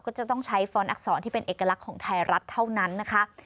ก็จะต้องใช้ฟอนอักษรที่เป็นเอกลักษณ์ของไทยรัฐเท่านั้นนะคะ